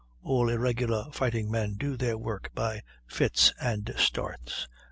All irregular fighting men do their work by fits and starts.